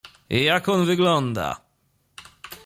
— Jak on wygląda!